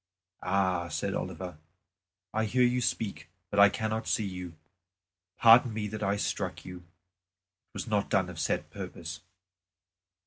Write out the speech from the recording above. "Ah!" said Oliver, "I hear you speak, but I cannot see you. Pardon me that I struck you; it was not done of set purpose."